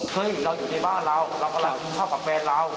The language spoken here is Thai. เฮ้ยเราอยู่ในบ้านเรารับความคิดเหมาะกับแม่เรา